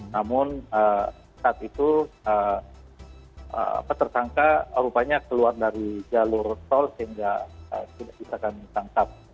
namun saat itu tertangka rupanya keluar dari jalur sol sehingga tidak bisa ditangkap